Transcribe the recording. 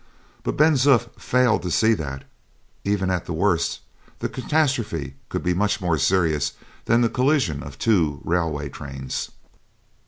But Ben Zoof failed to see that, even at the worst, the catastrophe could be much more serious than the collision of two railway trains.